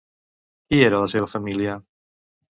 Qui era la seva família?